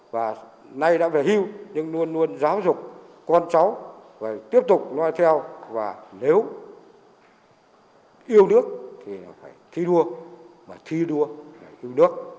và nay đã phải hưu nhưng luôn luôn giáo dục con cháu phải tiếp tục loa theo và nếu hưu nước thì phải thi đua và thi đua là hưu nước